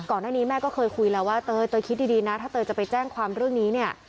ก่อนหน้านี้แม่ก็เคยคุยแล้วว่าเตยคิดดีนะถ้าเตยจะไปแจ้งความเรื่องนี้เนี่ย